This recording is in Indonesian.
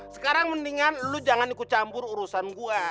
sekarang mendingan lu jangan ikut campur urusan gue